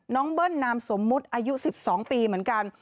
เบิ้ลนามสมมุติอายุ๑๒ปีเหมือนกัน